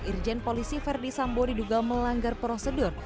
irjen polisi ferdi sambori juga melanggar prosedur